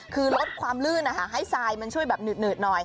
คือลดความลื่นให้ทรายมันช่วยแบบหืดหน่อย